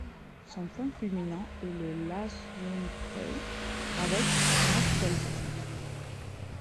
Son point culminant est le Lasuntay avec mètres d'altitude.